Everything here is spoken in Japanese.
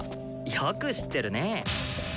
よく知ってるね。